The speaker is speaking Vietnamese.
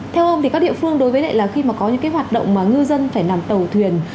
theo ông thì các địa phương đối với lại là khi mà có những hoạt động mà ngư dân phải làm tàu thuyền